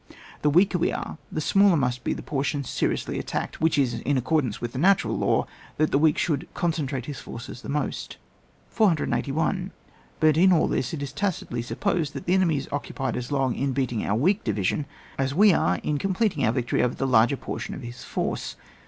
The weaker we are, the smaller must be the portion seriously at tacked, which is in accordance with the natural law, that the weak should concen* irate his forces the most, 481. But, in all this, it is tacitly sup posed that the enemy is occupied as long in beating our weak division as we are in completing our victory over the larger portion of his force.